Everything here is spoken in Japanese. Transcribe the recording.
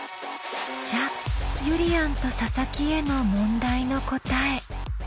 じゃゆりやんと佐々木への問題の答え。